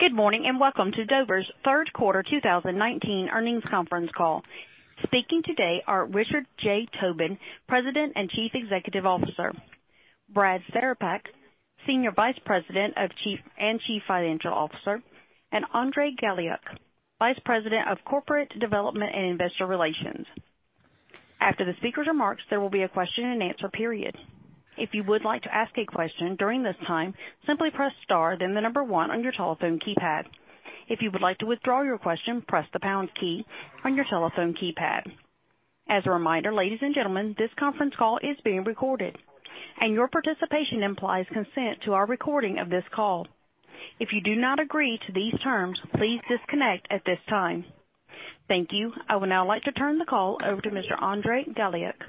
Good morning, and welcome to Dover's third quarter 2019 earnings conference call. Speaking today are Richard J. Tobin, President and Chief Executive Officer, Brad Cerepak, Senior Vice President and Chief Financial Officer, and Andrey Galiuk, Vice President of Corporate Development and Investor Relations. After the speakers' remarks, there will be a question and answer period. If you would like to ask a question during this time, simply press star then the number 1 on your telephone keypad. If you would like to withdraw your question, press the pound key on your telephone keypad. As a reminder, ladies and gentlemen, this conference call is being recorded, and your participation implies consent to our recording of this call. If you do not agree to these terms, please disconnect at this time. Thank you. I would now like to turn the call over to Mr. Andrey Galiuk.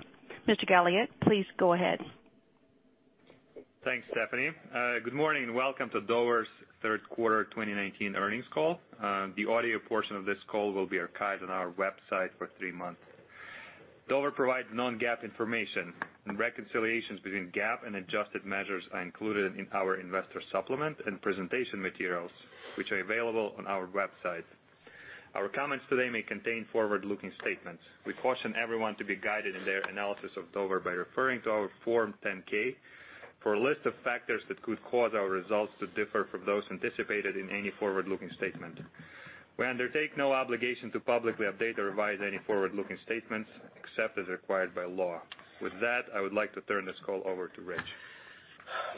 Mr. Galiuk, please go ahead. Thanks, Stephanie. Good morning and welcome to Dover's third quarter 2019 earnings call. The audio portion of this call will be archived on our website for three months. Dover provides non-GAAP information, and reconciliations between GAAP and adjusted measures are included in our investor supplement and presentation materials, which are available on our website. Our comments today may contain forward-looking statements. We caution everyone to be guided in their analysis of Dover by referring to our Form 10-K for a list of factors that could cause our results to differ from those anticipated in any forward-looking statement. We undertake no obligation to publicly update or revise any forward-looking statements, except as required by law. With that, I would like to turn this call over to Rich.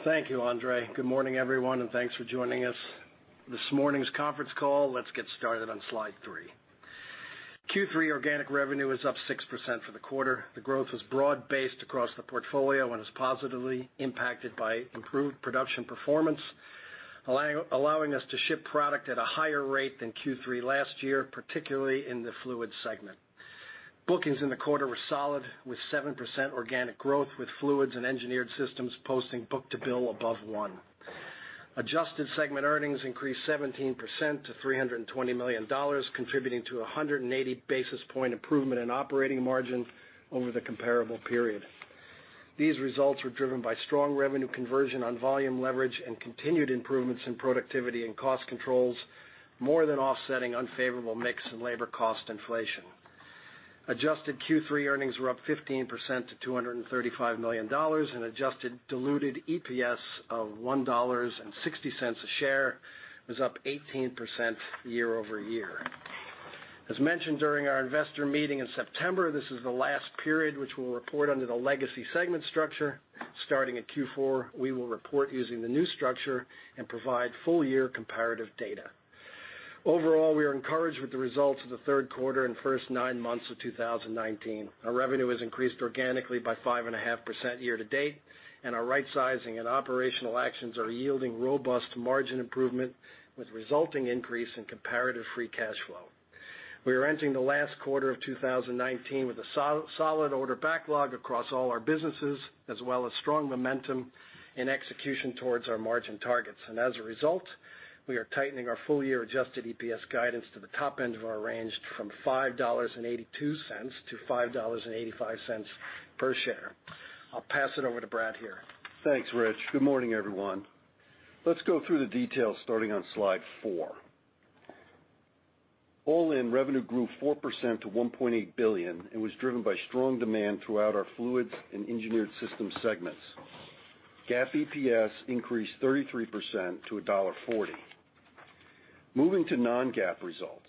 Thank you, Andrey. Good morning, everyone, and thanks for joining us this morning's conference call. Let's get started on Slide 3. Q3 organic revenue is up 6% for the quarter. The growth was broad-based across the portfolio and is positively impacted by improved production performance, allowing us to ship product at a higher rate than Q3 last year, particularly in the Fluids segment. Bookings in the quarter were solid with 7% organic growth, with Fluids and Engineered Products posting book-to-bill above one. Adjusted segment earnings increased 17% to $320 million, contributing to 180 basis point improvement in operating margin over the comparable period. These results were driven by strong revenue conversion on volume leverage and continued improvements in productivity and cost controls, more than offsetting unfavorable mix and labor cost inflation. Adjusted Q3 earnings were up 15% to $235 million, and adjusted diluted EPS of $1.60 a share was up 18% year-over-year. As mentioned during our investor meeting in September, this is the last period which we'll report under the legacy segment structure. Starting at Q4, we will report using the new structure and provide full year comparative data. Overall, we are encouraged with the results of the third quarter and first nine months of 2019. Our revenue has increased organically by 5.5% year-to-date, and our rightsizing and operational actions are yielding robust margin improvement with resulting increase in comparative free cash flow. We are entering the last quarter of 2019 with a solid order backlog across all our businesses, as well as strong momentum in execution towards our margin targets. As a result, we are tightening our full-year adjusted EPS guidance to the top end of our range from $5.82-$5.85 per share. I'll pass it over to Brad here. Thanks, Rich. Good morning, everyone. Let's go through the details starting on Slide 4. All-in revenue grew 4% to $1.8 billion and was driven by strong demand throughout our Fluids and Engineered Products segments. GAAP EPS increased 33% to $1.40. Moving to non-GAAP results.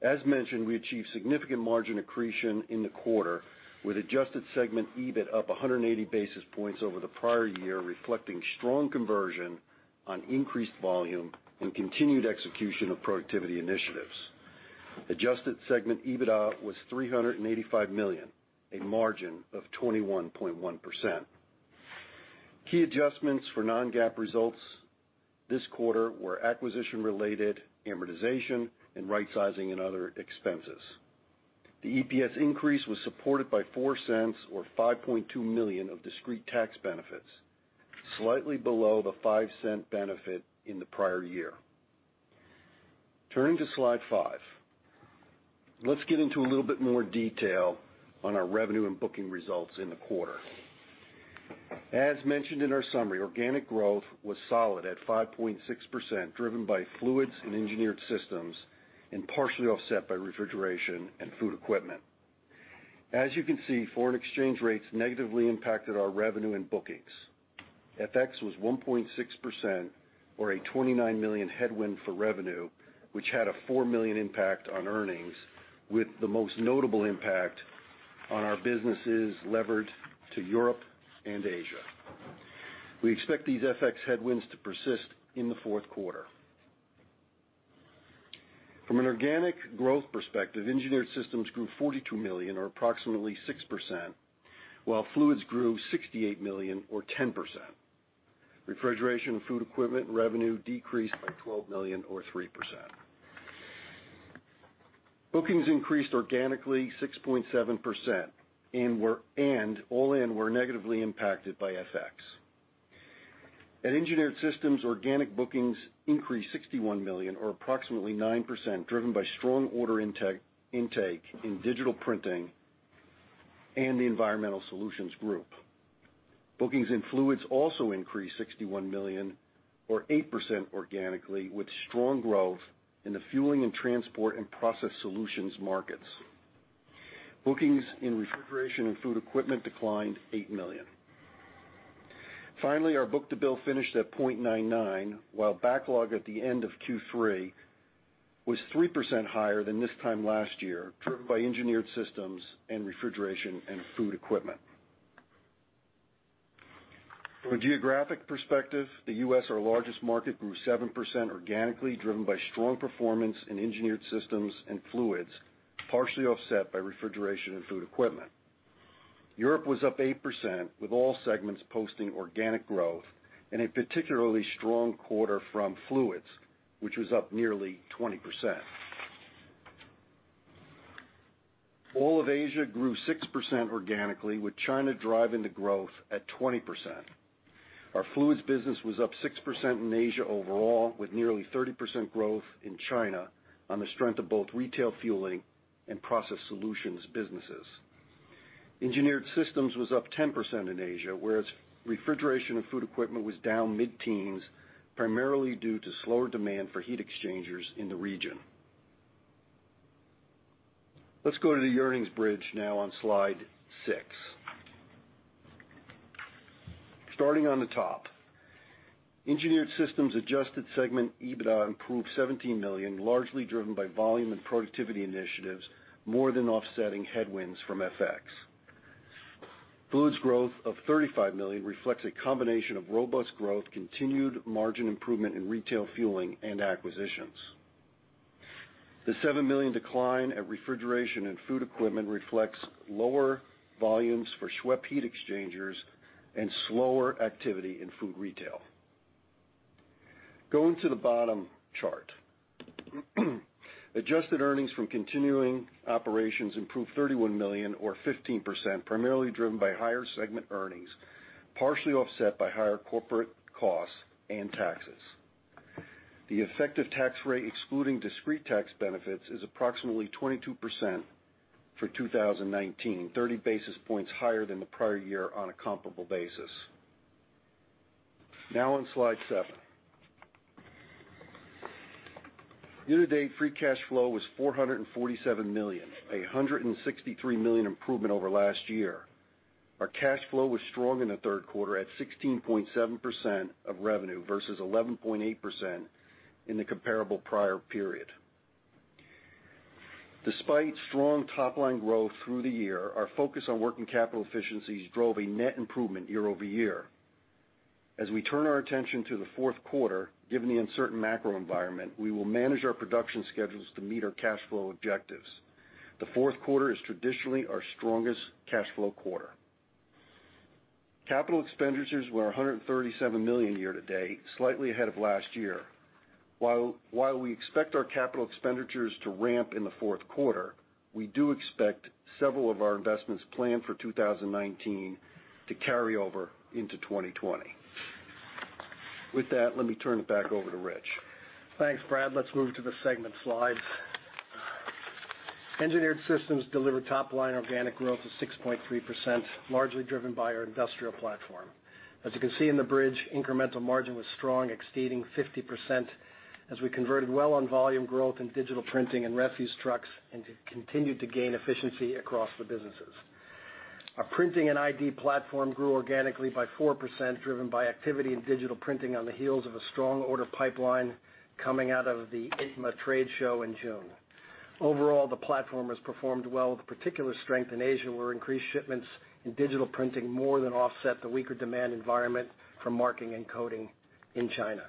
As mentioned, we achieved significant margin accretion in the quarter with adjusted segment EBIT up 180 basis points over the prior year, reflecting strong conversion on increased volume and continued execution of productivity initiatives. Adjusted segment EBITDA was $385 million, a margin of 21.1%. Key adjustments for non-GAAP results this quarter were acquisition-related amortization and rightsizing and other expenses. The EPS increase was supported by $0.04 or $5.2 million of discrete tax benefits, slightly below the $0.05 benefit in the prior year. Turning to Slide 5. Let's get into a little bit more detail on our revenue and booking results in the quarter. As mentioned in our summary, organic growth was solid at 5.6%, driven by Fluids and Engineered Products and partially offset by Refrigeration & Food Equipment. As you can see, foreign exchange rates negatively impacted our revenue and bookings. FX was 1.6%, or a $29 million headwind for revenue, which had a $4 million impact on earnings, with the most notable impact on our businesses levered to Europe and Asia. We expect these FX headwinds to persist in the fourth quarter. From an organic growth perspective, Engineered Products grew $42 million or approximately 6%, while Fluids grew $68 million or 10%. Refrigeration & Food Equipment revenue decreased by $12 million or 3%. Bookings increased organically 6.7% and all in were negatively impacted by FX. At Engineered Products, organic bookings increased $61 million or approximately 9%, driven by strong order intake in digital printing and the Environmental Solutions Group. Bookings in Fluids also increased $61 million or 8% organically, with strong growth in the fueling and transport and process solutions markets. Bookings in Refrigeration & Food Equipment declined $8 million. Finally, our book-to-bill finished at 0.99, while backlog at the end of Q3 was 3% higher than this time last year, driven by Engineered Products and Refrigeration & Food Equipment. From a geographic perspective, the U.S., our largest market, grew 7% organically, driven by strong performance in Engineered Products and Fluids, partially offset by Refrigeration & Food Equipment. Europe was up 8%, with all segments posting organic growth, and a particularly strong quarter from Fluids, which was up nearly 20%. All of Asia grew 6% organically, with China driving the growth at 20%. Our Fluids business was up 6% in Asia overall, with nearly 30% growth in China on the strength of both retail fueling and process solutions businesses. Engineered Products was up 10% in Asia, whereas Refrigeration and Food Equipment was down mid-teens, primarily due to slower demand for heat exchangers in the region. Let's go to the earnings bridge now on slide six. Starting on the top, Engineered Products adjusted segment EBITDA improved $17 million, largely driven by volume and productivity initiatives, more than offsetting headwinds from FX. Fluids growth of $35 million reflects a combination of robust growth, continued margin improvement in retail fueling, and acquisitions. The $7 million decline at Refrigeration and Food Equipment reflects lower volumes for SWEP heat exchangers and slower activity in food retail. Going to the bottom chart. Adjusted earnings from continuing operations improved $31 million or 15%, primarily driven by higher segment earnings, partially offset by higher corporate costs and taxes. The effective tax rate, excluding discrete tax benefits, is approximately 22% for 2019, 30 basis points higher than the prior year on a comparable basis. On slide seven. Year-to-date free cash flow was $447 million, a $163 million improvement over last year. Our cash flow was strong in the third quarter, at 16.7% of revenue, versus 11.8% in the comparable prior period. Despite strong top-line growth through the year, our focus on working capital efficiencies drove a net improvement year over year. As we turn our attention to the fourth quarter, given the uncertain macro environment, we will manage our production schedules to meet our cash flow objectives. The fourth quarter is traditionally our strongest cash flow quarter. Capital expenditures were $137 million year to date, slightly ahead of last year. While we expect our capital expenditures to ramp in the fourth quarter, we do expect several of our investments planned for 2019 to carry over into 2020. With that, let me turn it back over to Rich. Thanks, Brad. Let's move to the segment slides. Engineered Products delivered top-line organic growth of 6.3%, largely driven by our industrial platform. As you can see in the bridge, incremental margin was strong, exceeding 50%, as we converted well on volume growth in digital printing and refuse trucks and continued to gain efficiency across the businesses. Our Printing and Identification platform grew organically by 4%, driven by activity in digital printing on the heels of a strong order pipeline coming out of the ITMA trade show in June. Overall, the platform has performed well, with particular strength in Asia, where increased shipments in digital printing more than offset the weaker demand environment for marking and coding in China.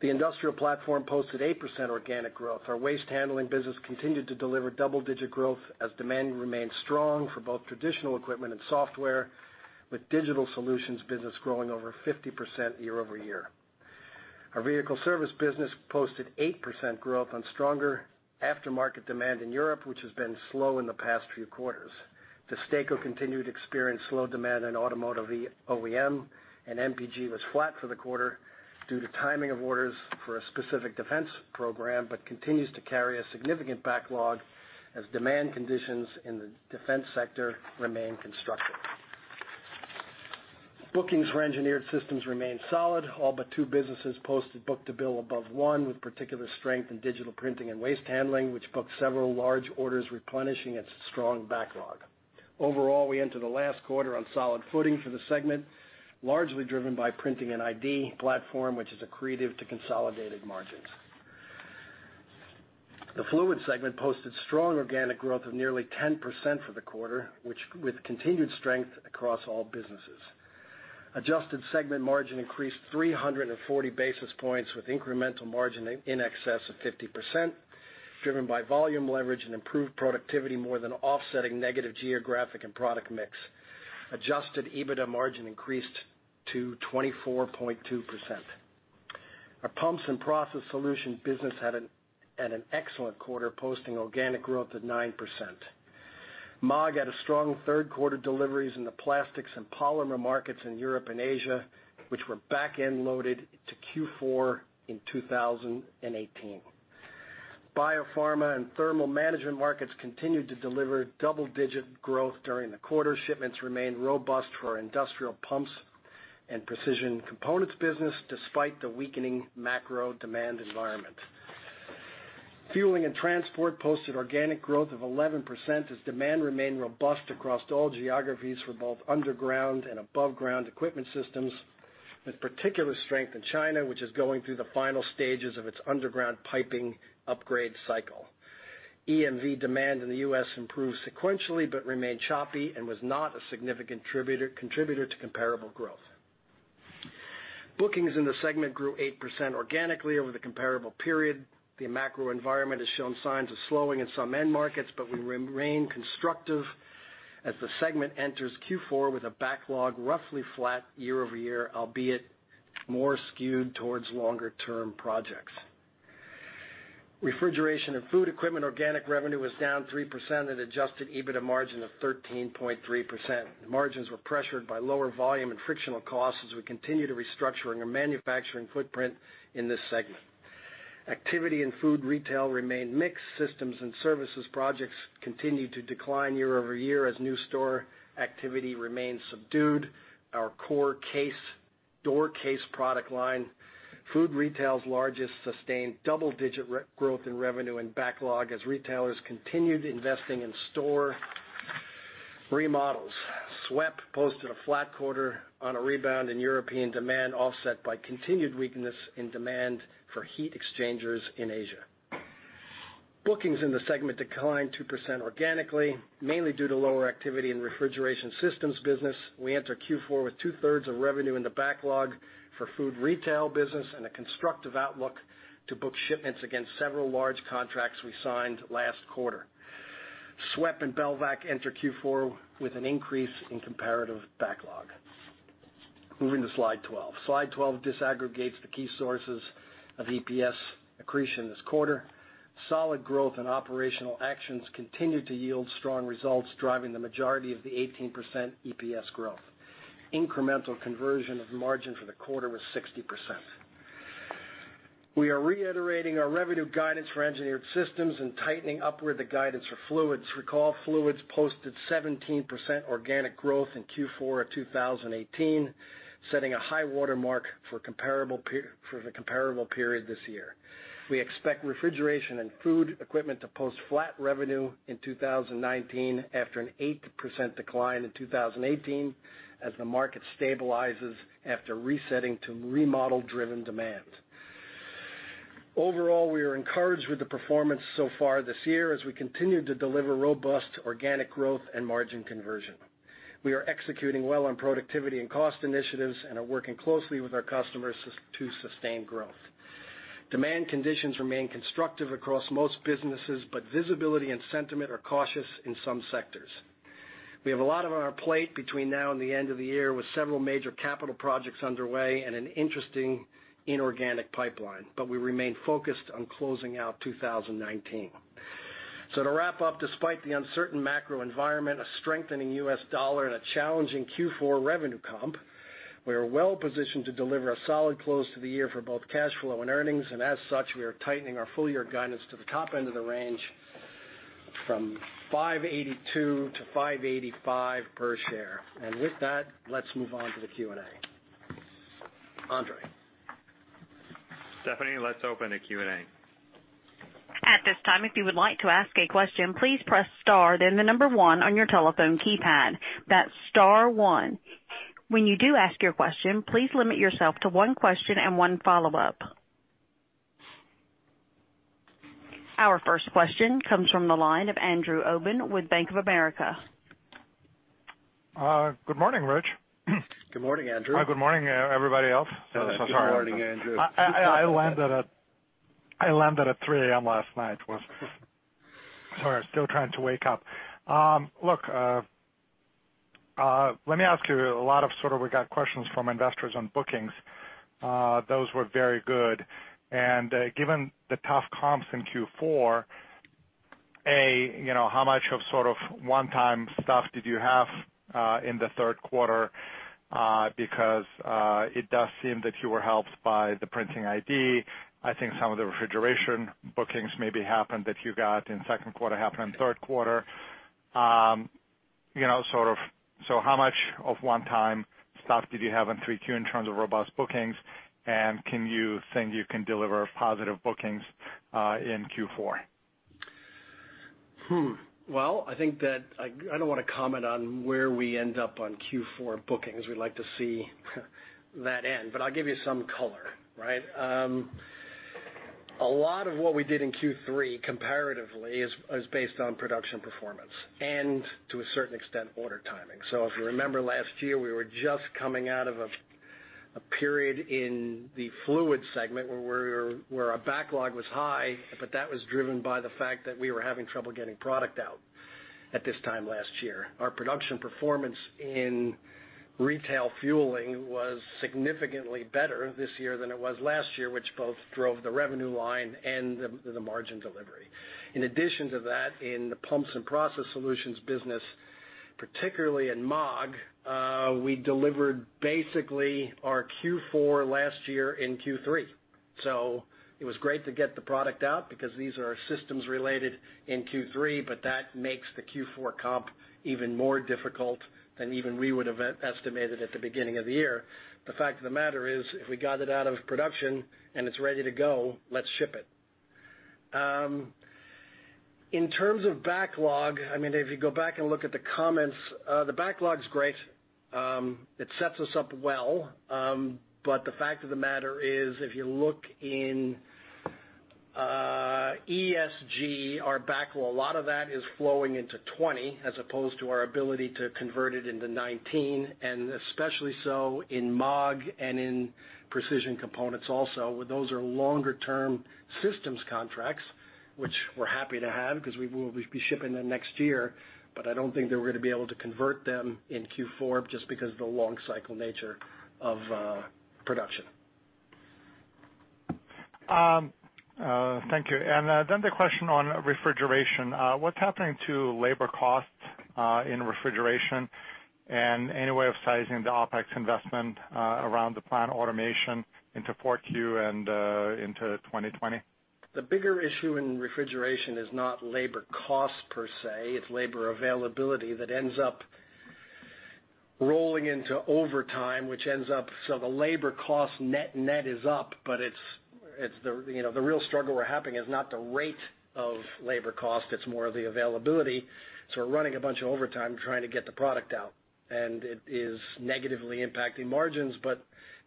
The industrial platform posted 8% organic growth. Our waste handling business continued to deliver double-digit growth as demand remained strong for both traditional equipment and software, with digital solutions business growing over 50% year-over-year. Our Vehicle Service business posted 8% growth on stronger aftermarket demand in Europe, which has been slow in the past few quarters. DESTACO continued to experience slow demand in automotive OEM, and MPG was flat for the quarter due to timing of orders for a specific defense program, but continues to carry a significant backlog as demand conditions in the defense sector remain constructive. Bookings for Engineered Products remain solid. All but two businesses posted book-to-bill above one, with particular strength in digital printing and waste handling, which booked several large orders replenishing its strong backlog. Overall, we enter the last quarter on solid footing for the segment, largely driven by Printing and Identification platform, which is accretive to consolidated margins. The Fluids segment posted strong organic growth of nearly 10% for the quarter with continued strength across all businesses. Adjusted segment margin increased 340 basis points with incremental margin in excess of 50%, driven by volume leverage and improved productivity more than offsetting negative geographic and product mix. Adjusted EBITDA margin increased to 24.2%. Our Pumps & Process Solutions business had an excellent quarter, posting organic growth of 9%. MAAG had a strong third quarter deliveries in the plastics and polymer markets in Europe and Asia, which were back-end loaded into Q4 in 2018. Biopharma and thermal management markets continued to deliver double-digit growth during the quarter. Shipments remained robust for our industrial pumps and Precision Components business, despite the weakening macro demand environment. Fueling and transport posted organic growth of 11% as demand remained robust across all geographies for both underground and above ground equipment systems, with particular strength in China, which is going through the final stages of its underground piping upgrade cycle. EMV demand in the U.S. improved sequentially, but remained choppy and was not a significant contributor to comparable growth. Bookings in the segment grew 8% organically over the comparable period. The macro environment has shown signs of slowing in some end markets, but we remain constructive as the segment enters Q4 with a backlog roughly flat year-over-year, albeit more skewed towards longer-term projects. Refrigeration & Food Equipment organic revenue was down 3% at adjusted EBITDA margin of 13.3%. The margins were pressured by lower volume and frictional costs as we continue to restructure our manufacturing footprint in this segment. Activity in food retail remained mixed. Systems and services projects continued to decline year-over-year as new store activity remained subdued. Our core display cases product line, food retail's largest sustained double-digit growth in revenue and backlog as retailers continued investing in store remodels. SWEP posted a flat quarter on a rebound in European demand, offset by continued weakness in demand for heat exchangers in Asia. Bookings in the segment declined 2% organically, mainly due to lower activity in refrigeration systems business. We enter Q4 with two-thirds of revenue in the backlog for food retail business, and a constructive outlook to book shipments against several large contracts we signed last quarter. SWEP and Belvac enter Q4 with an increase in comparative backlog. Moving to slide 12. Slide 12 disaggregates the key sources of EPS accretion this quarter. Solid growth and operational actions continued to yield strong results, driving the majority of the 18% EPS growth. Incremental conversion of margin for the quarter was 60%. We are reiterating our revenue guidance for Engineered Products and tightening upward the guidance for Fluids. Recall, Fluids posted 17% organic growth in Q4 of 2018, setting a high water mark for the comparable period this year. We expect Refrigeration & Food Equipment to post flat revenue in 2019 after an 8% decline in 2018 as the market stabilizes after resetting to remodel-driven demand. Overall, we are encouraged with the performance so far this year as we continue to deliver robust organic growth and margin conversion. We are executing well on productivity and cost initiatives and are working closely with our customers to sustain growth. Demand conditions remain constructive across most businesses, but visibility and sentiment are cautious in some sectors. We have a lot on our plate between now and the end of the year, with several major capital projects underway and an interesting inorganic pipeline. We remain focused on closing out 2019. To wrap up, despite the uncertain macro environment, a strengthening U.S. dollar, and a challenging Q4 revenue comp, we are well positioned to deliver a solid close to the year for both cash flow and earnings. As such, we are tightening our full year guidance to the top end of the range from $5.82-$5.85 per share. With that, let's move on to the Q&A. Andrey? Stephanie, let's open the Q&A. At this time, if you would like to ask a question, please press star, then the number 1 on your telephone keypad. That's star 1. When you do ask your question, please limit yourself to one question and one follow-up. Our first question comes from the line of Andrew Obin with Bank of America. Good morning, Rich. Good morning, Andrew. Good morning, everybody else. Good morning, Andrew. I landed at 3:00 A.M. last night. Sorry, I'm still trying to wake up. Look, let me ask you, we got questions from investors on bookings. Those were very good. Given the tough comps in Q4, A, how much of one-time stuff did you have in the third quarter? It does seem that you were helped by the printing ID. I think some of the refrigeration bookings maybe happened that you got in second quarter, happened in third quarter. How much of one-time stuff did you have in 3Q in terms of robust bookings, and can you think you can deliver positive bookings in Q4? Well, I don't want to comment on where we end up on Q4 bookings. We'd like to see that end. I'll give you some color. Right? A lot of what we did in Q3 comparatively is based on production performance and to a certain extent, order timing. If you remember last year, we were just coming out of a period in the Fluids segment where our backlog was high, but that was driven by the fact that we were having trouble getting product out at this time last year. Our production performance in retail fueling was significantly better this year than it was last year, which both drove the revenue line and the margin delivery. In addition to that, in the Pumps & Process Solutions business, particularly in MAAG, we delivered basically our Q4 last year in Q3. It was great to get the product out because these are systems related in Q3, but that makes the Q4 comp even more difficult than even we would've estimated at the beginning of the year. The fact of the matter is, if we got it out of production and it's ready to go, let's ship it. In terms of backlog, if you go back and look at the comments, the backlog's great. It sets us up well. The fact of the matter is, if you look in ESG, well, a lot of that is flowing into 2020 as opposed to our ability to convert it into 2019, and especially so in MAAG and in Precision Components also. Those are longer-term systems contracts, which we're happy to have because we will be shipping them next year. I don't think that we're going to be able to convert them in Q4 just because of the long cycle nature of production. Thank you. Then the question on refrigeration. What's happening to labor costs in refrigeration? Any way of sizing the OpEx investment around the plant automation into 4Q and into 2020? The bigger issue in refrigeration is not labor cost per se, it's labor availability that ends up rolling into overtime. The labor cost net is up, but the real struggle we're having is not the rate of labor cost, it's more the availability. We're running a bunch of overtime trying to get the product out, and it is negatively impacting margins. At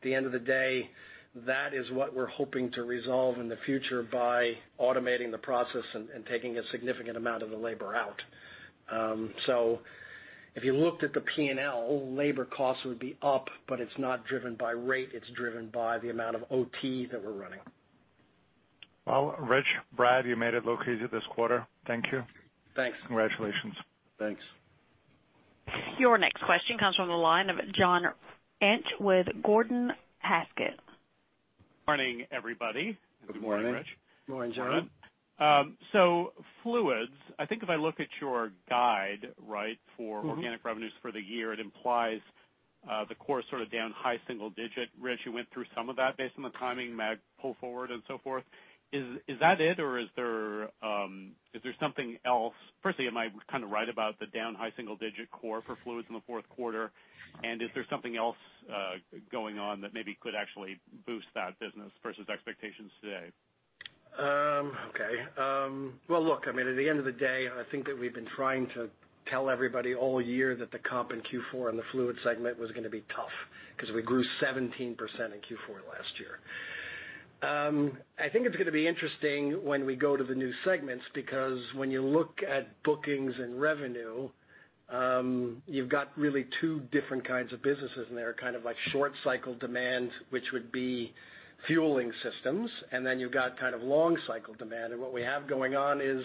the end of the day, that is what we're hoping to resolve in the future by automating the process and taking a significant amount of the labor out. If you looked at the P&L, labor costs would be up, but it's not driven by rate, it's driven by the amount of OT that we're running. Well, Rich, Brad, you made it a little easier this quarter. Thank you. Thanks. Congratulations. Thanks. Your next question comes from the line of John Inch with Gordon Haskett. Morning, everybody. Good morning. Good morning, Rich. Morning, John. Fluids, I think if I look at your guide, for organic revenues for the year, it implies the core sort of down high single digit. Rich, you went through some of that based on the timing, MAAG pull forward and so forth. Is that it? Is there something else? Firstly, am I kind of right about the down high single digit core for Fluids in the fourth quarter? Is there something else going on that maybe could actually boost that business versus expectations today? Okay. Well, look, at the end of the day, I think that we've been trying to tell everybody all year that the comp in Q4 in the Fluids segment was going to be tough, because we grew 17% in Q4 last year. I think it's going to be interesting when we go to the new segments, because when you look at bookings and revenue, you've got really two different kinds of businesses in there. Kind of like short cycle demand, which would be fueling systems, and then you've got kind of long cycle demand. What we have going on is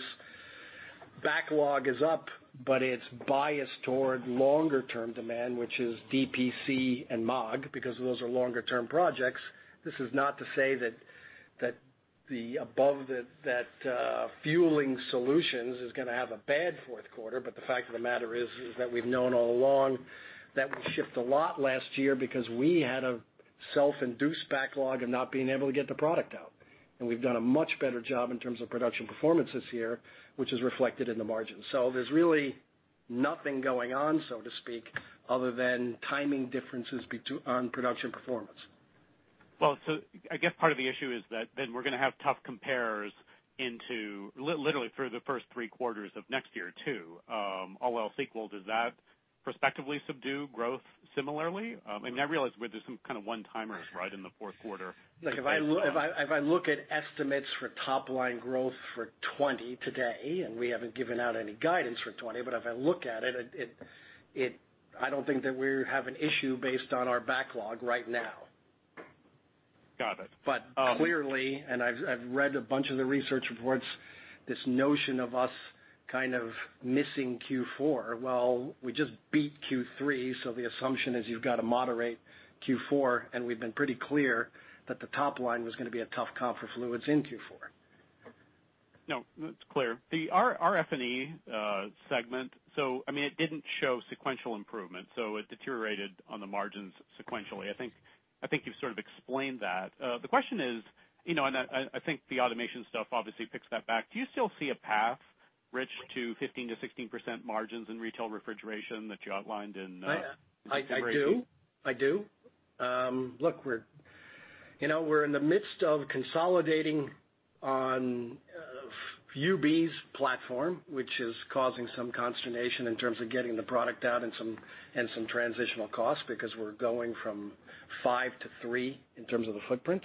backlog is up, but it's biased toward longer-term demand, which is DPC and MAAG, because those are longer-term projects. This is not to say that Fueling Solutions is going to have a bad fourth quarter. The fact of the matter is that we've known all along that we shipped a lot last year because we had a self-induced backlog of not being able to get the product out. We've done a much better job in terms of production performance this year, which is reflected in the margins. There's really nothing going on, so to speak, other than timing differences on production performance. I guess part of the issue is that then we're going to have tough comparers literally through the first three quarters of next year, too. All else equal, does that prospectively subdue growth similarly? I realize there's some kind of one-timers in the fourth quarter. Look, if I look at estimates for top line growth for 2020 today, and we haven't given out any guidance for 2020, but if I look at it, I don't think that we have an issue based on our backlog right now. Got it. Clearly, and I've read a bunch of the research reports, this notion of us kind of missing Q4. We just beat Q3, the assumption is you've got to moderate Q4, and we've been pretty clear that the top line was going to be a tough comp for Fluids in Q4. No, that's clear. The RF&E segment, it didn't show sequential improvement, so it deteriorated on the margins sequentially. I think you've sort of explained that. The question is, and I think the automation stuff obviously picks that back. Do you still see a path, Rich, to 15%-16% margins in retail refrigeration that you outlined in the Q3? I do. Look, we're in the midst of consolidating on UB's platform, which is causing some consternation in terms of getting the product out and some transitional costs because we're going from five to three in terms of the footprint.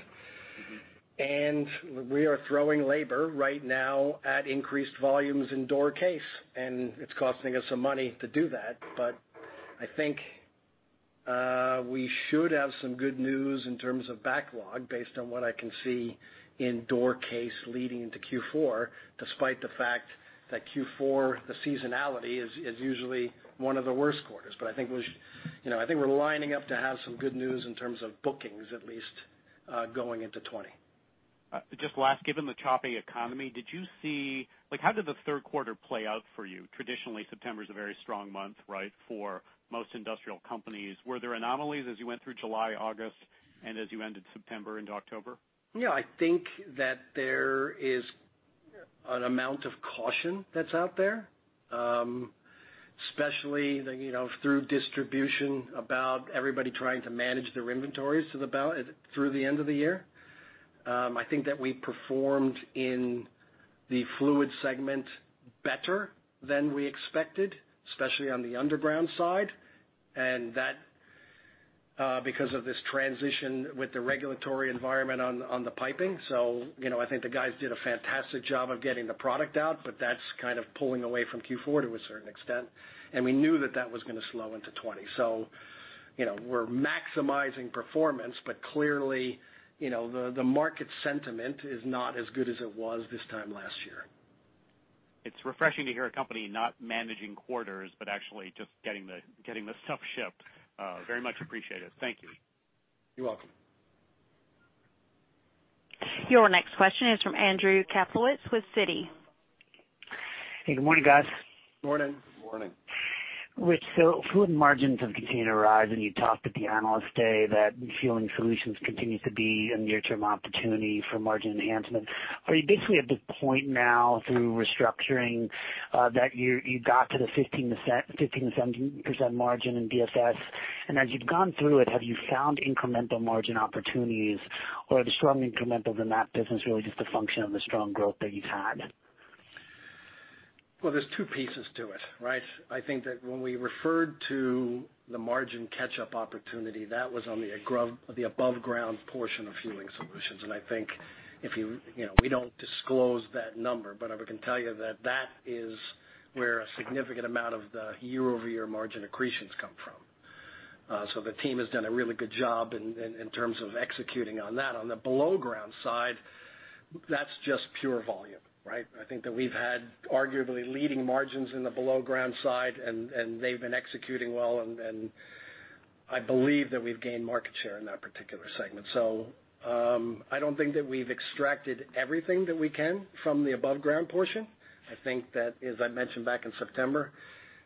We are throwing labor right now at increased volumes in display cases, and it's costing us some money to do that. I think we should have some good news in terms of backlog based on what I can see in display cases leading into Q4, despite the fact that Q4, the seasonality is usually one of the worst quarters. I think we're lining up to have some good news in terms of bookings, at least, going into 2020. Just last, given the choppy economy, how did the third quarter play out for you? Traditionally, September is a very strong month, right, for most industrial companies. Were there anomalies as you went through July, August, and as you ended September into October? I think that there is an amount of caution that's out there, especially through distribution about everybody trying to manage their inventories through the end of the year. I think that we performed in the Fluids segment better than we expected, especially on the underground side, and that because of this transition with the regulatory environment on the piping. I think the guys did a fantastic job of getting the product out, but that's kind of pulling away from Q4 to a certain extent, and we knew that that was going to slow into 2020. We're maximizing performance, but clearly the market sentiment is not as good as it was this time last year. It's refreshing to hear a company not managing quarters, but actually just getting the stuff shipped. Very much appreciated. Thank you. You're welcome. Your next question is from Andrew Kaplowitz with Citi. Hey, good morning, guys. Morning. Morning. Rich, Fluids margins have continued to rise, and you talked at the Analyst Day that Dover Fueling Solutions continues to be a near-term opportunity for margin enhancement. Are you basically at the point now through restructuring that you got to the 15%-17% margin in DSS? As you've gone through it, have you found incremental margin opportunities, or are the strong incrementals in that business really just a function of the strong growth that you've had? There's two pieces to it, right? I think that when we referred to the margin catch-up opportunity, that was on the above ground portion of fueling solutions, and I think we don't disclose that number, but I can tell you that that is where a significant amount of the year-over-year margin accretions come from. The team has done a really good job in terms of executing on that. On the below ground side, that's just pure volume, right? I think that we've had arguably leading margins in the below ground side, and they've been executing well, and I believe that we've gained market share in that particular segment. I don't think that we've extracted everything that we can from the above ground portion. I think that as I mentioned back in September,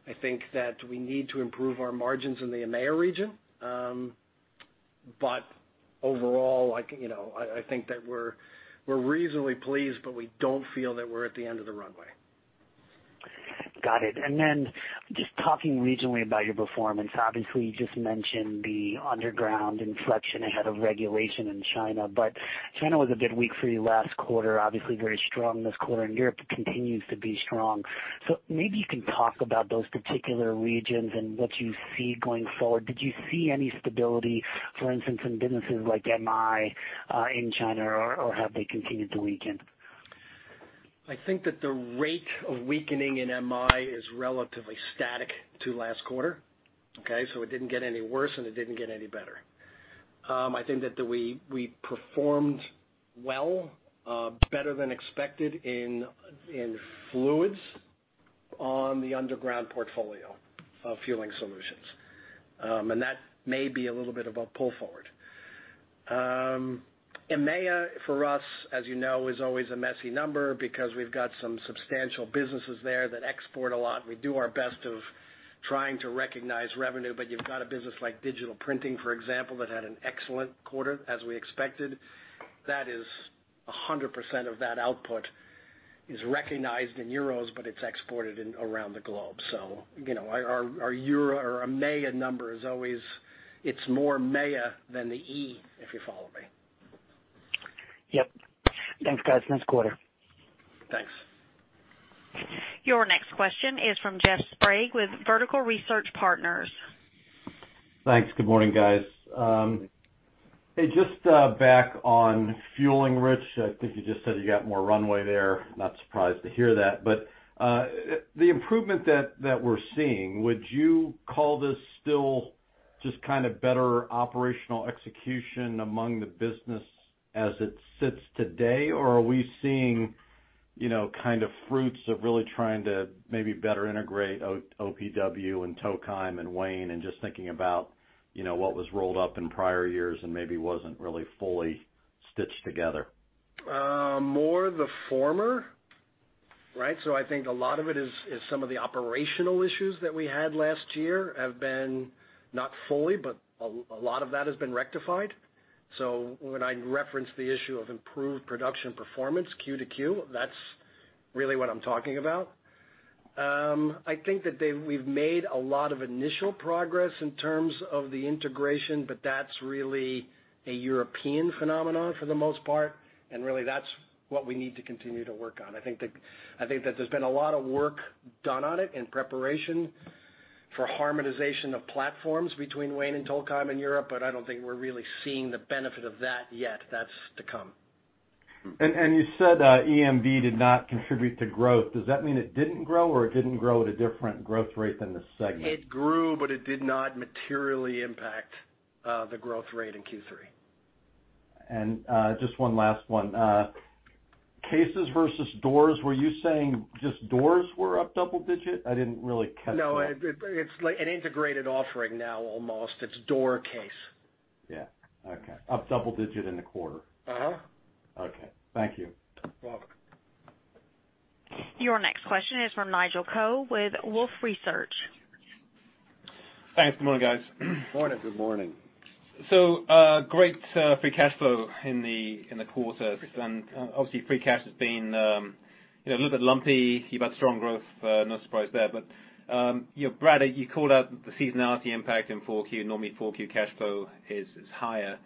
I think that we need to improve our margins in the EMEIA region. Overall, I think that we're reasonably pleased, but we don't feel that we're at the end of the runway. Got it. Just talking regionally about your performance. Obviously, you just mentioned the underground inflection ahead of regulation in China, but China was a bit weak for you last quarter, obviously very strong this quarter, and Europe continues to be strong. Maybe you can talk about those particular regions and what you see going forward. Did you see any stability, for instance, in businesses like Markem-Imaje in China, or have they continued to weaken? I think that the rate of weakening in Markem-Imaje is relatively static to last quarter. Okay? It didn't get any worse, and it didn't get any better. I think that we performed well, better than expected in Fluids on the underground portfolio of fueling solutions. That may be a little bit of a pull forward. EMEIA, for us, as you know, is always a messy number because we've got some substantial businesses there that export a lot, and we do our best of trying to recognize revenue. You've got a business like digital printing, for example, that had an excellent quarter, as we expected. 100% of that output is recognized in EUR, but it's exported around the globe. Our EMEIA number is always more MEIA than the E, if you follow me. Yep. Thanks, guys. Nice quarter. Thanks. Your next question is from Jeff Sprague with Vertical Research Partners. Thanks. Good morning, guys. Hey, just back on fueling, Rich, I think you just said you got more runway there. Not surprised to hear that. The improvement that we're seeing, would you call this still just kind of better operational execution among the business as it sits today, or are we seeing kind of fruits of really trying to maybe better integrate OPW and Tokheim and Wayne and just thinking about what was rolled up in prior years and maybe wasn't really fully stitched together? More the former, right? I think a lot of it is some of the operational issues that we had last year have been not fully, but a lot of that has been rectified. When I reference the issue of improved production performance Q-to-Q, that's really what I'm talking about. I think that we've made a lot of initial progress in terms of the integration, but that's really a European phenomenon for the most part, and really that's what we need to continue to work on. I think that there's been a lot of work done on it in preparation for harmonization of platforms between Wayne and Tokheim in Europe, but I don't think we're really seeing the benefit of that yet. That's to come. You said EMV did not contribute to growth. Does that mean it didn't grow, or it didn't grow at a different growth rate than the segment? It grew, but it did not materially impact the growth rate in Q3. Just one last one. Cases versus doors. Were you saying just doors were up double-digit? I didn't really catch that. It's an integrated offering now almost. It's display cases. Yeah. Okay. Up double digit in the quarter. Okay. Thank you. You're welcome. Your next question is from Nigel Coe with Wolfe Research. Thanks. Good morning, guys. Morning. Good morning. Great free cash flow in the quarter. Obviously free cash has been a little bit lumpy. You've had strong growth, not surprised there. Brad, you called out the seasonality impact in 4Q. Normally, 4Q cash flow is higher.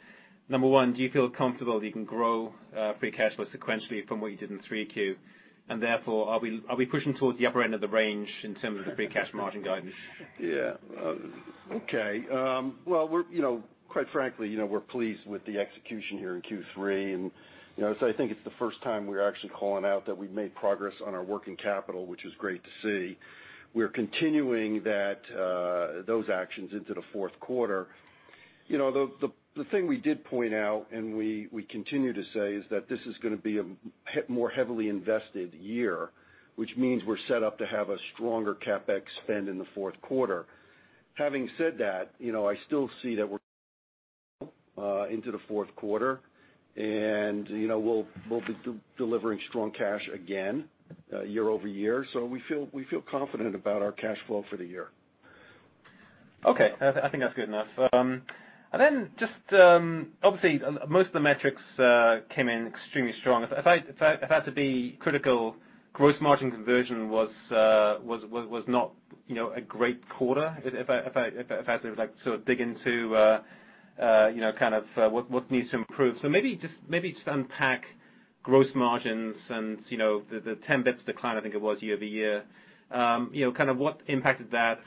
Number one, do you feel comfortable that you can grow free cash flow sequentially from what you did in 3Q? Therefore, are we pushing towards the upper end of the range in terms of the free cash margin guidance? Yeah. Okay. Well, quite frankly, we're pleased with the execution here in Q3. I think it's the first time we're actually calling out that we've made progress on our working capital, which is great to see. We're continuing those actions into the fourth quarter. The thing we did point out, and we continue to say, is that this is gonna be a more heavily invested year, which means we're set up to have a stronger CapEx spend in the fourth quarter. Having said that, I still see that we're into the fourth quarter, and we'll be delivering strong cash again year-over-year. We feel confident about our cash flow for the year. Okay. I think that's good enough. Just, obviously, most of the metrics came in extremely strong. If I had to be critical, gross margin conversion was not a great quarter. If I had to sort of dig into kind of what needs to improve. Maybe just unpack gross margins and the 10 basis points decline, I think it was, year-over-year. Kind of what impacted that,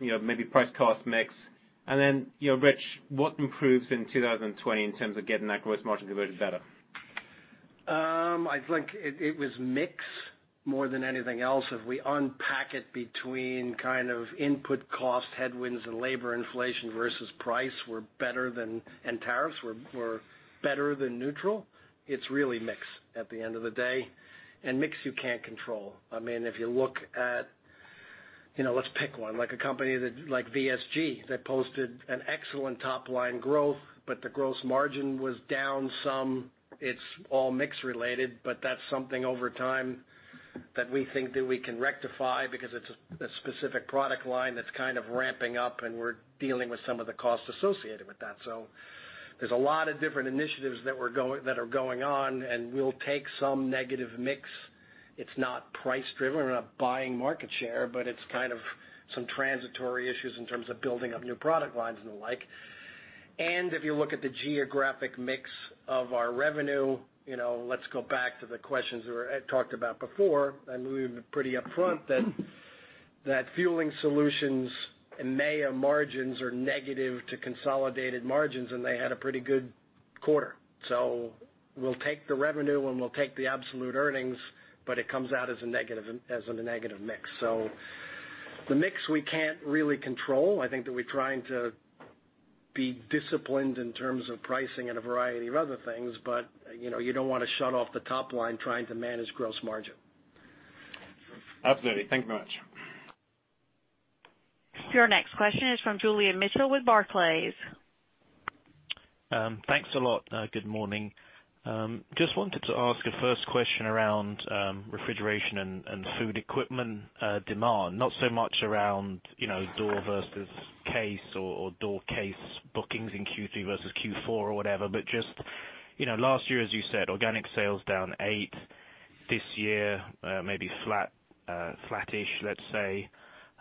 maybe price cost mix, and then Rich, what improves in 2020 in terms of getting that gross margin converted better? I think it was mix more than anything else. If we unpack it between kind of input cost headwinds and labor inflation versus price were better than, and tariffs were better than neutral, it's really mix at the end of the day. Mix you can't control. If you look at, let's pick one, like a company like VSG, that posted an excellent top-line growth, but the gross margin was down some. It's all mix related, but that's something over time that we think that we can rectify because it's a specific product line that's kind of ramping up, and we're dealing with some of the costs associated with that. There's a lot of different initiatives that are going on, and we'll take some negative mix. It's not price driven, we're not buying market share, but it's kind of some transitory issues in terms of building up new product lines and the like. If you look at the geographic mix of our revenue, let's go back to the questions that were talked about before, and we were pretty upfront that Fueling Solutions and MAAG margins are negative to consolidated margins, and they had a pretty good quarter. We'll take the revenue, and we'll take the absolute earnings, but it comes out as a negative mix. The mix we can't really control. I think that we're trying to be disciplined in terms of pricing and a variety of other things, but you don't want to shut off the top line trying to manage gross margin. Absolutely. Thank you very much. Your next question is from Julian Mitchell with Barclays. Thanks a lot. Good morning. Just wanted to ask a first question around Refrigeration & Food Equipment demand. Not so much around door versus case or display cases bookings in Q3 versus Q4 or whatever, but just last year, as you said, organic sales down eight. This year, maybe flatish, let's say.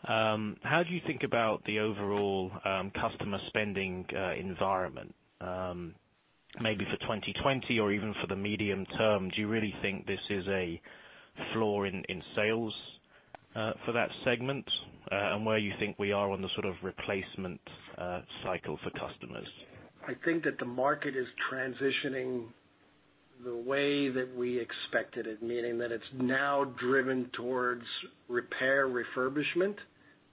How do you think about the overall customer spending environment? Maybe for 2020 or even for the medium term, do you really think this is a floor in sales for that segment? Where you think we are on the sort of replacement cycle for customers. I think that the market is transitioning the way that we expected it, meaning that it's now driven towards repair refurbishment,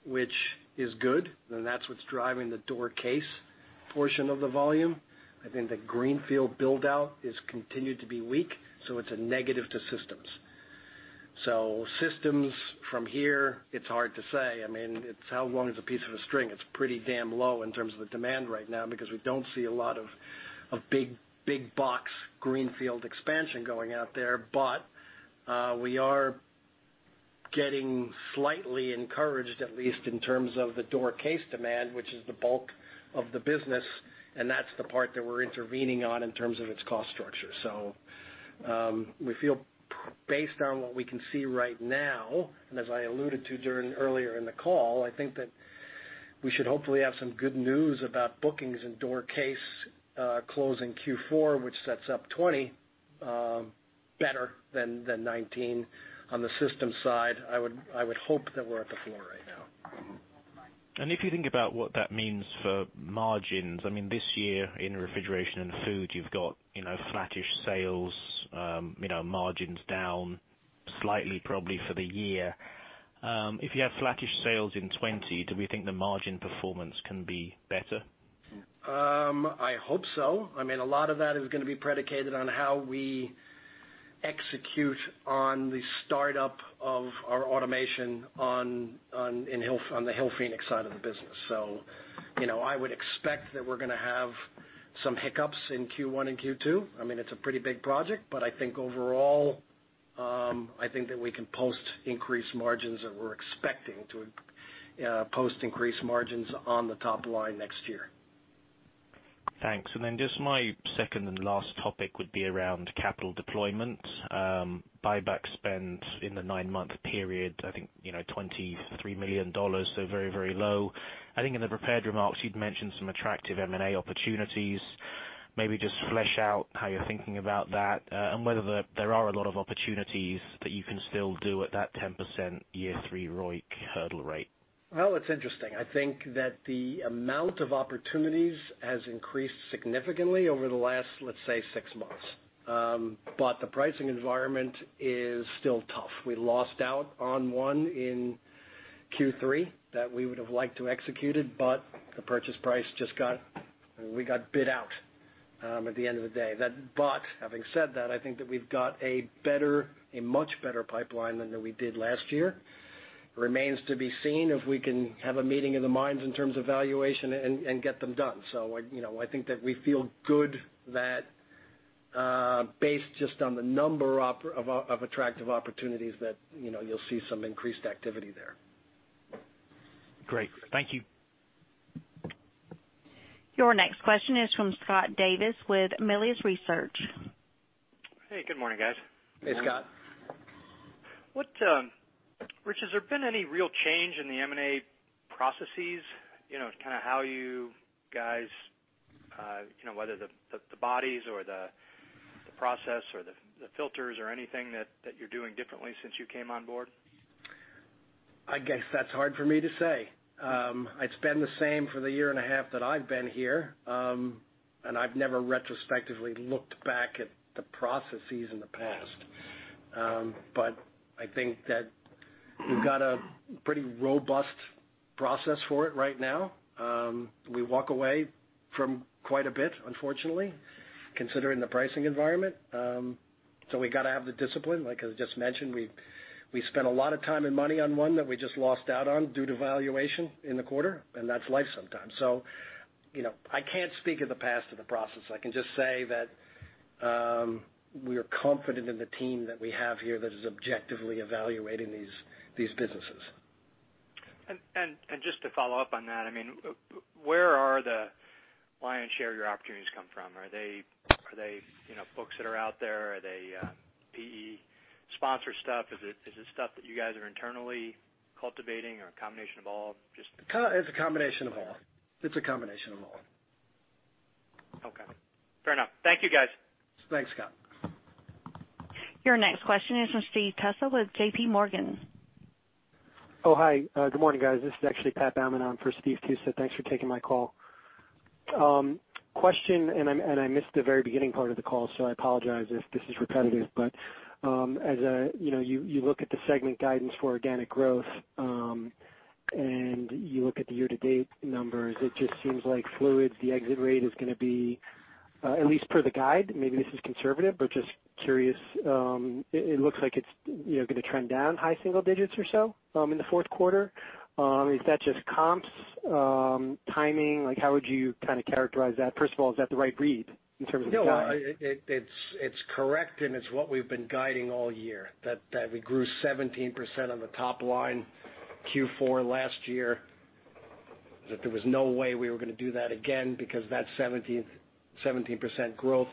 which is good. That's what's driving the display cases portion of the volume. I think the greenfield build-out has continued to be weak, so it's a negative to systems. Systems from here, it's hard to say. I mean, it's how long is a piece of a string? It's pretty damn low in terms of the demand right now because we don't see a lot of big box greenfield expansion going out there. We are getting slightly encouraged, at least in terms of the display cases demand, which is the bulk of the business, and that's the part that we're intervening on in terms of its cost structure. We feel based on what we can see right now, and as I alluded to during earlier in the call, I think that we should hopefully have some good news about bookings and display cases close in Q4, which sets up 2020 better than 2019. On the systems side, I would hope that we're at the floor right now. If you think about what that means for margins, I mean, this year in refrigeration and food, you've got flattish sales, margins down slightly probably for the year. If you have flattish sales in 2020, do we think the margin performance can be better? I hope so. A lot of that is going to be predicated on how we execute on the startup of our automation on the Hillphoenix side of the business. I would expect that we're going to have some hiccups in Q1 and Q2. It's a pretty big project. I think overall, I think that we can post increased margins, or we're expecting to post increased margins on the top line next year. Thanks. Then just my second and last topic would be around capital deployment. Buyback spend in the nine-month period, I think, $23 million, so very, very low. I think in the prepared remarks, you'd mentioned some attractive M&A opportunities. Maybe just flesh out how you're thinking about that, and whether there are a lot of opportunities that you can still do at that 10% year three ROIC hurdle rate. Well, it's interesting. I think that the amount of opportunities has increased significantly over the last, let's say, six months. The pricing environment is still tough. We lost out on one in Q3 that we would've liked to executed, the purchase price just got bid out at the end of the day. Having said that, I think that we've got a much better pipeline than we did last year. Remains to be seen if we can have a meeting of the minds in terms of valuation and get them done. I think that we feel good that based just on the number of attractive opportunities that you'll see some increased activity there. Great. Thank you. Your next question is from Scott Davis with Melius Research. Hey, good morning, guys. Hey, Scott. Rich, has there been any real change in the M&A processes? Kind of how you guys, whether the bodies or the process or the filters or anything that you're doing differently since you came on board? I guess that's hard for me to say. It's been the same for the year and a half that I've been here. I've never retrospectively looked back at the processes in the past. I think that we've got a pretty robust process for it right now. We walk away from quite a bit, unfortunately, considering the pricing environment. We got to have the discipline. Like I just mentioned, we spent a lot of time and money on one that we just lost out on due to valuation in the quarter, and that's life sometimes. I can't speak of the past of the process. I can just say that we are confident in the team that we have here that is objectively evaluating these businesses. Just to follow up on that, where are the lion's share of your opportunities come from? Are they folks that are out there? Are they PE-sponsored stuff? Is it stuff that you guys are internally cultivating or a combination of all? It's a combination of all. Okay. Fair enough. Thank you, guys. Thanks, Scott. Your next question is from Stephen Tusa with JPMorgan. Hi. Good morning, guys. This is actually Patrick Baumann for Stephen Tusa. Thanks for taking my call. Question, I missed the very beginning part of the call, I apologize if this is repetitive, as you look at the segment guidance for organic growth, you look at the year-to-date numbers, it just seems like Fluids, the exit rate is going to be, at least per the guide, maybe this is conservative, just curious. It looks like it's going to trend down high single digits or so in the fourth quarter. Is that just comps, timing? How would you kind of characterize that? First of all, is that the right read in terms of the guide? No, it's correct, and it's what we've been guiding all year. That we grew 17% on the top line Q4 last year, that there was no way we were going to do that again because that 17% growth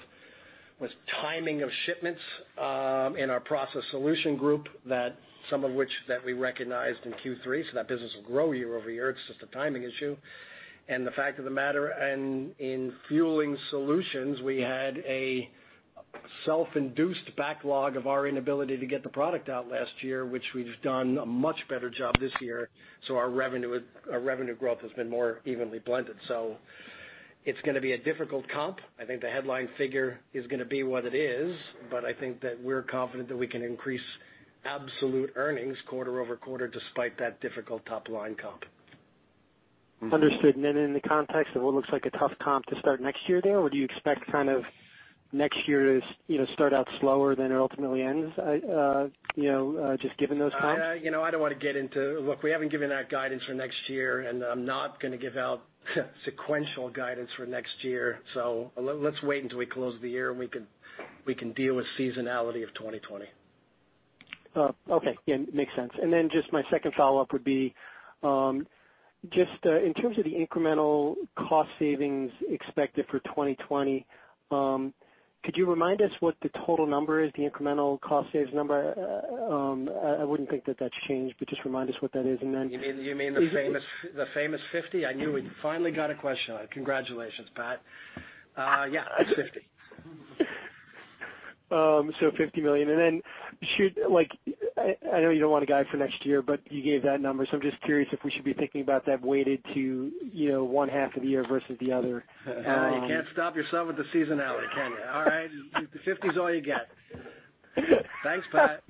was timing of shipments in our Process Solution Group that some of which that we recognized in Q3. That business will grow year-over-year. It's just a timing issue. The fact of the matter, and in Fueling Solutions, we had a self-induced backlog of our inability to get the product out last year, which we've done a much better job this year. Our revenue growth has been more evenly blended. It's going to be a difficult comp. I think the headline figure is going to be what it is, but I think that we're confident that we can increase absolute earnings quarter-over-quarter despite that difficult top-line comp. Understood. In the context of what looks like a tough comp to start next year there, or do you expect next year to start out slower than it ultimately ends? Just given those comps. I don't want to get into Look, we haven't given that guidance for next year, and I'm not going to give out sequential guidance for next year. Let's wait until we close the year, and we can deal with seasonality of 2020. Okay. Yeah, makes sense. Just my second follow-up would be, just in terms of the incremental cost savings expected for 2020, could you remind us what the total number is, the incremental cost savings number? I wouldn't think that that's changed, but just remind us what that is. You mean the famous 50? I knew we finally got a question on it. Congratulations, Pat. Yeah, it's 50. $50 million. I know you don't want to guide for next year, but you gave that number. I'm just curious if we should be thinking about that weighted to one half of the year versus the other. You can't stop yourself with the seasonality, can you? All right. 50 is all you get. Thanks, Pat.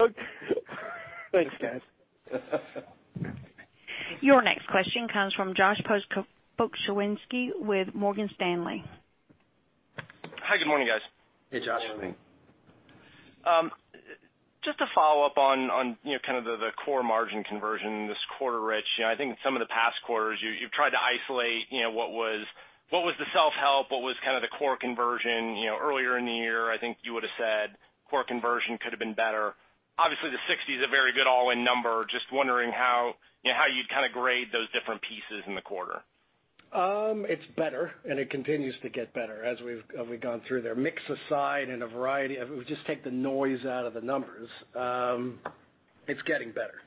Thanks, guys. Your next question comes from Josh Pokrzywinski with Morgan Stanley. Hi, good morning, guys. Hey, Josh. Good morning. Just to follow up on kind of the core margin conversion this quarter, Rich. I think in some of the past quarters you've tried to isolate what was the self-help, what was kind of the core conversion. Earlier in the year, I think you would've said core conversion could've been better. Obviously, the 60 is a very good all-in number. Just wondering how you'd kind of grade those different pieces in the quarter. It's better, and it continues to get better as we've gone through there. Mix aside if we just take the noise out of the numbers, it's getting better.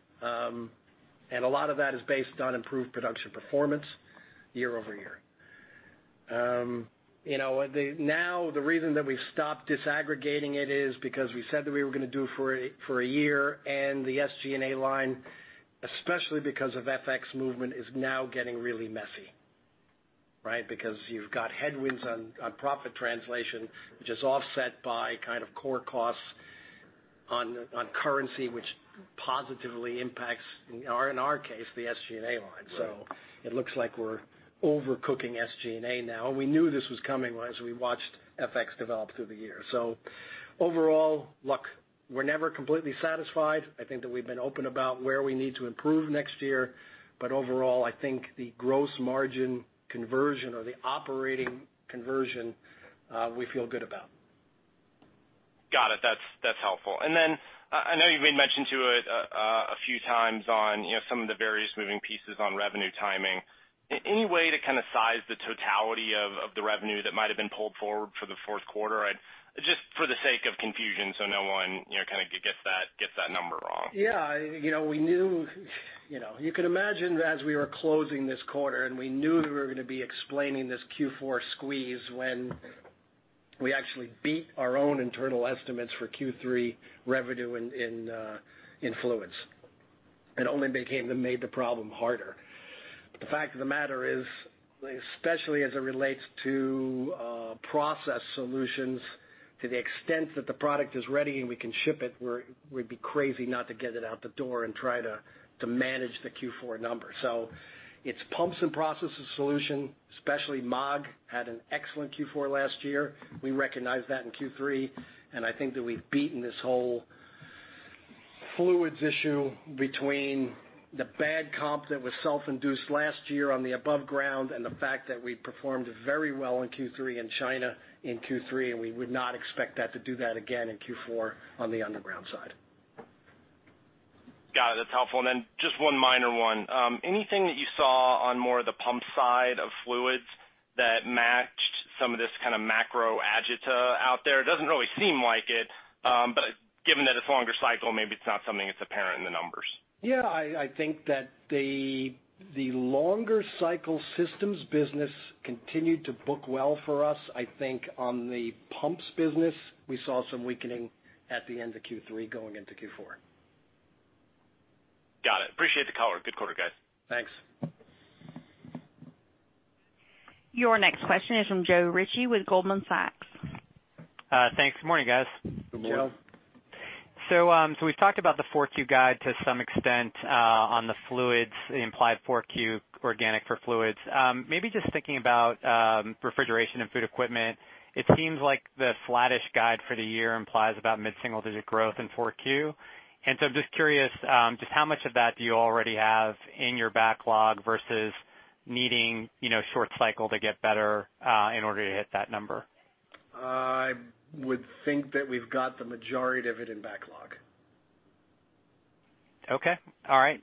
A lot of that is based on improved production performance year over year. Now, the reason that we've stopped disaggregating it is because we said that we were going to do it for a year, and the SG&A line, especially because of FX movement, is now getting really messy, right? Because you've got headwinds on profit translation, which is offset by kind of core costs on currency, which positively impacts, in our case, the SG&A line. Right. It looks like we're overcooking SG&A now. We knew this was coming as we watched FX develop through the year. Overall, look, we're never completely satisfied. I think that we've been open about where we need to improve next year. Overall, I think the gross margin conversion or the operating conversion, we feel good about. Got it. That's helpful. I know you've made mention to it a few times on some of the various moving pieces on revenue timing. Any way to kind of size the totality of the revenue that might've been pulled forward for the fourth quarter? Just for the sake of confusion, no one kind of gets that number wrong. You can imagine that as we were closing this quarter, and we knew that we were going to be explaining this Q4 squeeze when we actually beat our own internal estimates for Q3 revenue in Fluids. It only made the problem harder. The fact of the matter is, especially as it relates to process solutions, to the extent that the product is ready and we can ship it, we'd be crazy not to get it out the door and try to manage the Q4 number. It's pumps and processes solution, especially MAAG, had an excellent Q4 last year. We recognized that in Q3, and I think that we've beaten this whole Fluids issue between the bad comp that was self-induced last year on the above ground, and the fact that we performed very well in Q3 in China in Q3, and we would not expect that to do that again in Q4 on the underground side. Got it. That's helpful. Just one minor one. Anything that you saw on more of the pump side of fluids that matched some of this kind of macro agita out there? It doesn't really seem like it. Given that it's longer cycle, maybe it's not something that's apparent in the numbers. Yeah, I think that the longer cycle systems business continued to book well for us. I think on the Pumps business, we saw some weakening at the end of Q3 going into Q4. Got it. Appreciate the color. Good quarter, guys. Thanks. Your next question is from Joe Ritchie with Goldman Sachs. Thanks. Good morning, guys. Good morning. Joe. We've talked about the 4Q guide to some extent on the Fluids, the implied 4Q organic for Fluids. Maybe just thinking about Refrigeration & Food Equipment, it seems like the flattish guide for the year implies about mid-single digit growth in 4Q. I'm just curious, just how much of that do you already have in your backlog versus needing short cycle to get better, in order to hit that number? I would think that we've got the majority of it in backlog. Okay. All right.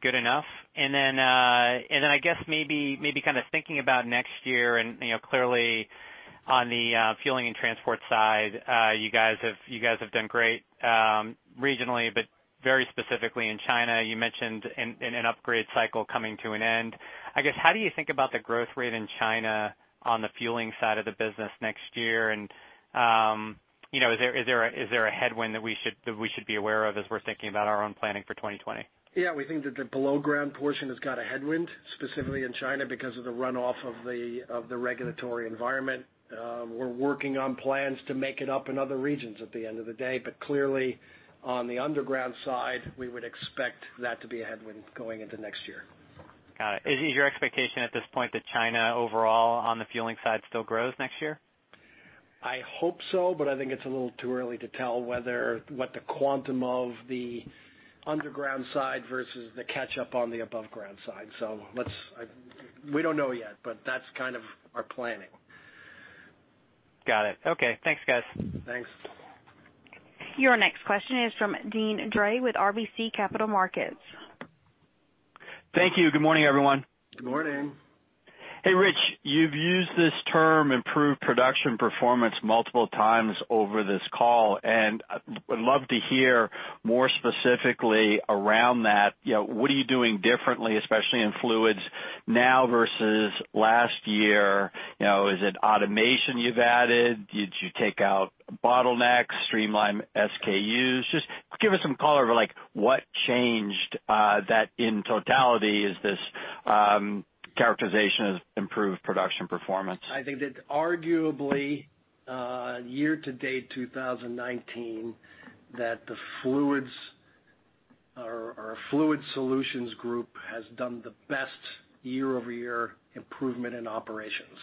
Good enough. I guess maybe kind of thinking about next year and, clearly on the fueling and transport side, you guys have done great regionally, but very specifically in China. You mentioned an upgrade cycle coming to an end. I guess, how do you think about the growth rate in China on the fueling side of the business next year, and is there a headwind that we should be aware of as we're thinking about our own planning for 2020? Yeah, we think that the below-ground portion has got a headwind, specifically in China, because of the runoff of the regulatory environment. We're working on plans to make it up in other regions at the end of the day, but clearly on the underground side, we would expect that to be a headwind going into next year. Got it. Is your expectation at this point that China overall on the fueling side still grows next year? I hope so, but I think it's a little too early to tell what the quantum of the underground side versus the catch-up on the above ground side. We don't know yet, but that's kind of our planning. Got it. Okay, thanks, guys. Thanks. Your next question is from Deane Dray with RBC Capital Markets. Thank you. Good morning, everyone. Good morning. Hey, Rich, you've used this term improved production performance multiple times over this call, and I would love to hear more specifically around that. What are you doing differently, especially in Fluids now versus last year? Is it automation you've added? Did you take out bottlenecks, streamline SKUs? Just give us some color over what changed that in totality is this characterization of improved production performance. I think that arguably, year-to-date 2019, that the fluids or our Fluid Solutions Group has done the best year-over-year improvement in operations.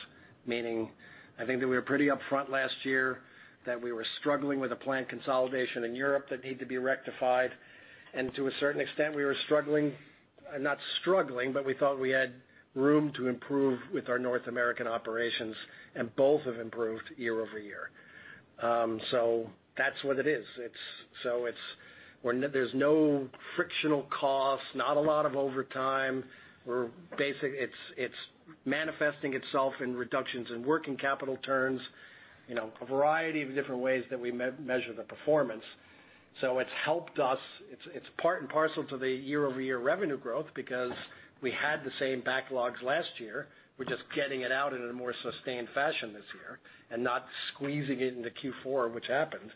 Meaning, I think that we were pretty upfront last year that we were struggling with a plant consolidation in Europe that needed to be rectified. To a certain extent, we were struggling, not struggling, but we thought we had room to improve with our North American operations, and both have improved year-over-year. That's what it is. There's no frictional costs, not a lot of overtime. It's manifesting itself in reductions in working capital turns, a variety of different ways that we measure the performance. It's helped us. It's part and parcel to the year-over-year revenue growth because we had the same backlogs last year. We're just getting it out in a more sustained fashion this year and not squeezing it into Q4, which happened.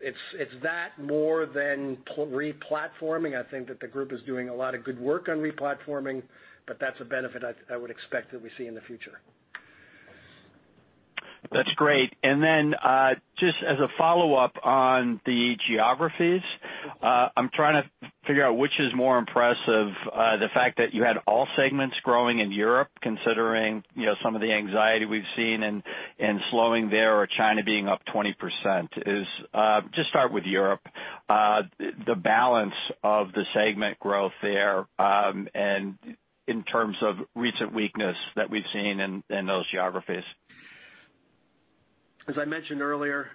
It's that more than replatforming. I think that the group is doing a lot of good work on replatforming, but that's a benefit I would expect that we see in the future. That's great. Then, just as a follow-up on the geographies. I'm trying to figure out which is more impressive, the fact that you had all segments growing in Europe, considering some of the anxiety we've seen in slowing there or China being up 20%. Just start with Europe, the balance of the segment growth there, and in terms of recent weakness that we've seen in those geographies. As I mentioned earlier,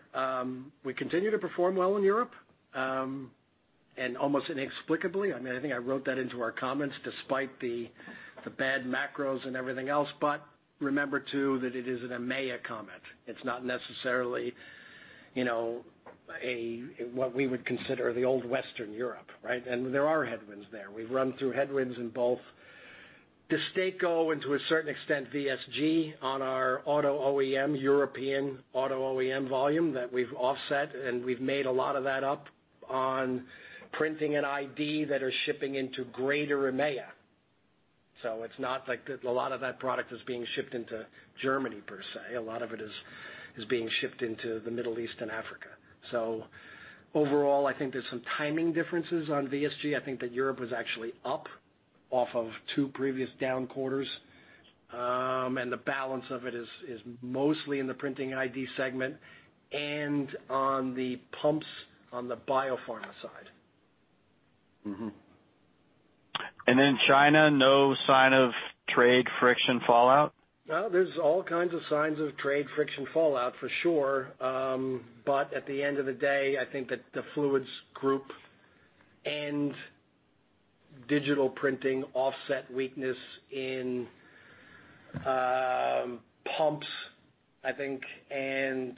we continue to perform well in Europe, almost inexplicably. I think I wrote that into our comments despite the bad macros and everything else. Remember too that it is an EMEA comment. It's not necessarily what we would consider the old Western Europe, right? There are headwinds there. We've run through headwinds in both DESTACO, and to a certain extent, VSG on our auto OEM, European auto OEM volume that we've offset, and we've made a lot of that up on Printing and ID that are shipping into greater EMEA. It's not like a lot of that product is being shipped into Germany per se. A lot of it is being shipped into the Middle East and Africa. Overall, I think there's some timing differences on VSG. I think that Europe was actually up off of two previous down quarters. The balance of it is mostly in the Printing ID segment and on the Pumps on the biopharma side. Mm-hmm. China, no sign of trade friction fallout? There's all kinds of signs of trade friction fallout for sure. At the end of the day, I think that the Fluids group and digital printing offset weakness in pumps, I think, and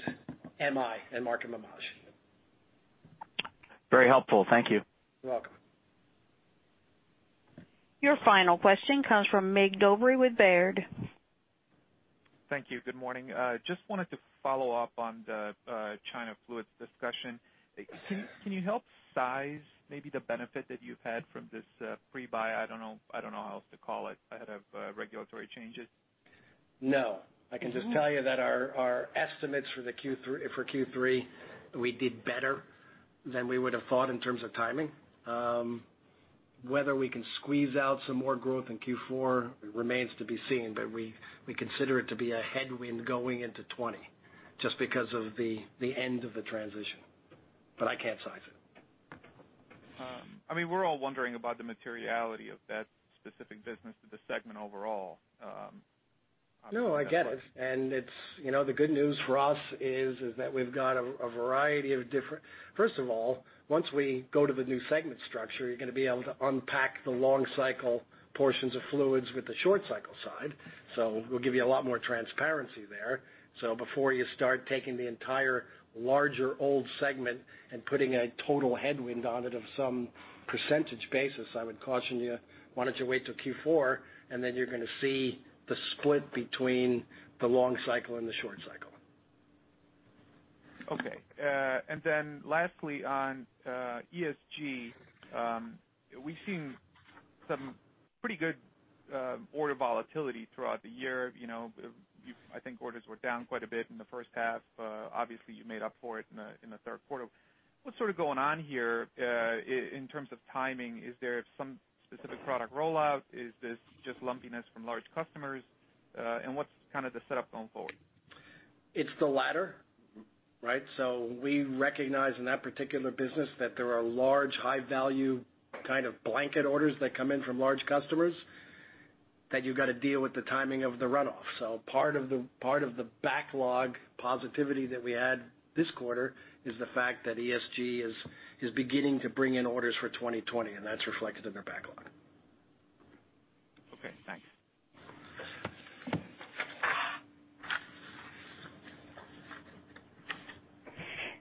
Markem-Imaje, in marking and coding. Very helpful. Thank you. You're welcome. Your final question comes from Mig Dobre with Baird. Thank you. Good morning. Just wanted to follow up on the China Fluids discussion. Can you help size maybe the benefit that you've had from this pre-buy, I don't know how else to call it, ahead of regulatory changes? No. I can just tell you that our estimates for Q3, we did better than we would've thought in terms of timing. Whether we can squeeze out some more growth in Q4 remains to be seen, but we consider it to be a headwind going into 2020, just because of the end of the transition. I can't size it. We're all wondering about the materiality of that specific business to the segment overall. No, I get it. The good news for us is that we've got a variety of different. First of all, once we go to the new segment structure, you're going to be able to unpack the long cycle portions of Fluids with the short cycle side. We'll give you a lot more transparency there. Before you start taking the entire larger old segment and putting a total headwind on it of some percentage basis, I would caution you, why don't you wait till Q4, and then you're going to see the split between the long cycle and the short cycle. Okay. Lastly, on ESG, we've seen some pretty good order volatility throughout the year. I think orders were down quite a bit in the first half. Obviously, you made up for it in the third quarter. What's going on here in terms of timing? Is there some specific product rollout? Is this just lumpiness from large customers? What's the setup going forward? It's the latter. We recognize in that particular business that there are large, high-value kind of blanket orders that come in from large customers, that you've got to deal with the timing of the runoff. Part of the backlog positivity that we had this quarter is the fact that ESG is beginning to bring in orders for 2020, and that's reflected in their backlog. Okay, thanks.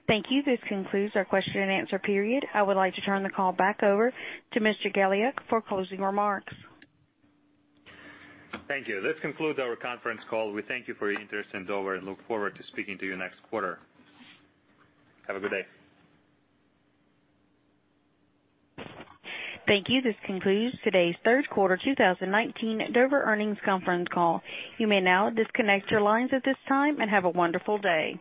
Thank you. This concludes our question and answer period. I would like to turn the call back over to Mr. Galiuk for closing remarks. Thank you. This concludes our conference call. We thank you for your interest in Dover and look forward to speaking to you next quarter. Have a good day. Thank you. This concludes today's third quarter 2019 Dover earnings conference call. You may now disconnect your lines at this time, and have a wonderful day.